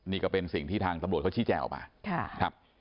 นี่ก็เป็นสิ่งที่ทางตำรวจเขาชี้แจงออกมาครับ